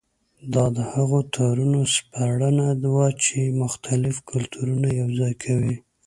دا د هغو تارونو سپړنه وه چې مختلف کلتورونه یوځای کوي.